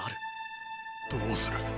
どうする。